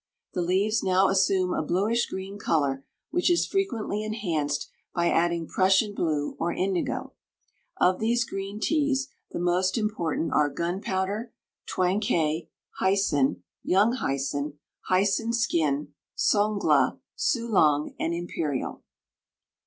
The leaves now assume a bluish green color, which is frequently enhanced by adding Prussian blue or indigo. Of these green teas the most important are Gunpowder, Twankay, Hyson, Young Hyson, Hyson skin, Songla, Soulang, and Imperial.